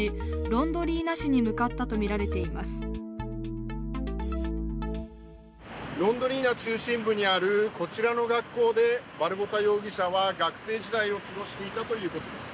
ロンドリーナ中心部にあるこちらの学校でバルボサ容疑者は学生時代を過ごしていたということです。